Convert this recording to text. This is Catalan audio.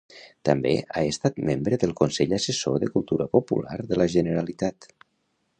També ha estat membre del Consell Assessor de Cultura Popular de la Generalitat.